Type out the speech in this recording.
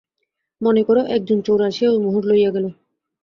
মনে কর, একজন চোর আসিয়া ঐ মোহর লইয়া গেল।